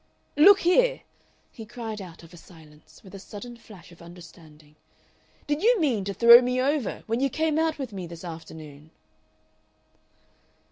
"Look here," he cried out of a silence, with a sudden flash of understanding, "did you mean to throw me over when you came out with me this afternoon?"